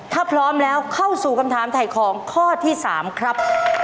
ถ้าพร้อมแล้วเข้าสู่คำถามถ่ายของข้อที่๓ครับ